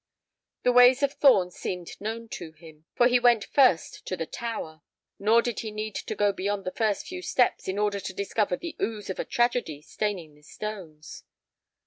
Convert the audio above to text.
The ways of Thorn seemed known to him, for he went first to the tower; nor did he need to go beyond the first few steps in order to discover the ooze of a tragedy staining the stones.